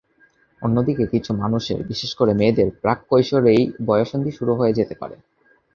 অন্যদিকে কিছু মানুষের, বিশেষ করে মেয়েদের প্রাক-কৈশোরেই বয়ঃসন্ধি শুরু হয়ে যেতে পারে।